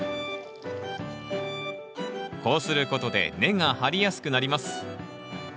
こうすることで根が張りやすくなります。